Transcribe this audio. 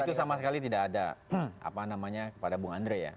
itu sama sekali tidak ada apa namanya kepada bung andre ya